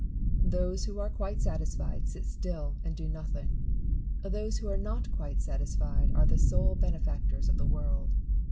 Those who are quite satisfied sit still and do nothing ; those who are not quite satisfied are the sole benefactors of the world.